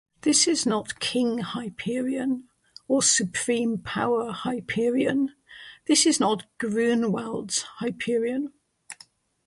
This is not King Hyperion, or Supreme Power Hyperion, this is not Gruenwald's Hyperion.